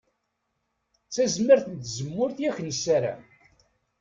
D tazmert n tzemmurt i ak-nessaram.